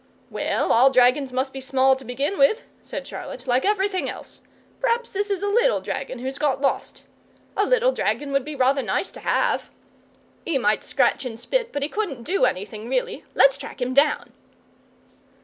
"Well, all dragons must be small to begin with," said Charlotte: "like everything else. P'raps this is a little dragon who's got lost. A little dragon would be rather nice to have. He might scratch and spit, but he couldn't DO anything really. Let's track him down!"